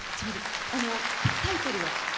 あのタイトルは？